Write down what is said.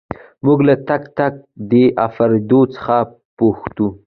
موږ له تک تک دې افرادو څخه پوښتو.